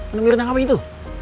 ini mir nanggap apa itu